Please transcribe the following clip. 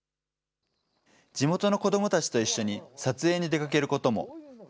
地元の子どもたちと一緒に撮影に出かけることも。